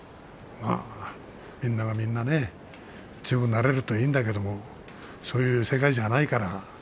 みんながみんな強くなれるといいんだけれどもそういう世界じゃないから。